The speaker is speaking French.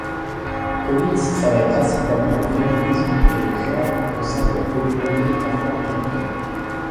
Collins travaille principalement le féminisme et le genre au sein de la communauté afro-américaine.